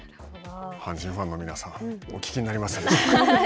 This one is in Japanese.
阪神ファンの皆さんお聞きになりましたでしょうか。